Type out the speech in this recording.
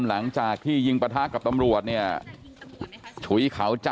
หลังจากที่ยิงปะทะกับตำรวจเนี่ยถุงที่ทำรวจ